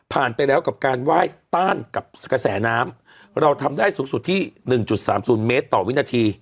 ไปแล้วกับการไหว้ต้านกับกระแสน้ำเราทำได้สูงสุดที่๑๓๐เมตรต่อวินาที